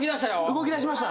動き出しました。